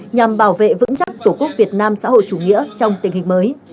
nhằm bảo vệ vững chắc tổ quốc việt nam xã hội chủ nghĩa trong tình hình mới